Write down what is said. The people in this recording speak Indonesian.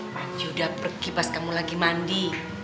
maju udah pergi pas kamu lagi mandi